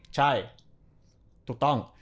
ใช่ถูกต้อง